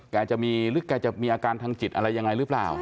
กลายจะมีหรือมีอาการทางจิตอะไรอย่างไรรึเปล่า